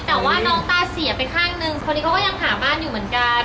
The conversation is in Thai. แต่ว่าน้องตาเสียไปข้างนึงคนนี้เขาก็ยังหาบ้านอยู่เหมือนกัน